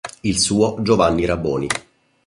Il suo Giovanni Raboni.